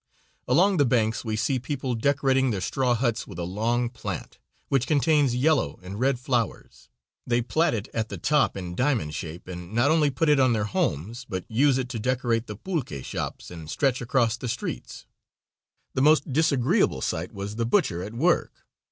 Along the banks we see people decorating their straw huts with a long plant, which contains yellow and red flowers. They plait it at the top in diamond shape, and not only put it on their homes, but use it to decorate the pulque shops and stretch across streets. The most disagreeable sight was the butcher at work.